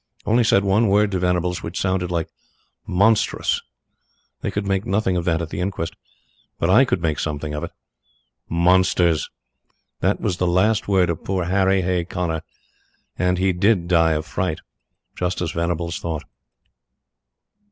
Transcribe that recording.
Only said one word to Venables, which sounded like 'Monstrous.' They could make nothing of that at the inquest. But I could make something of it. Monsters! That was the last word of poor Harry Hay Connor. And he DID die of fright, just as Venables thought.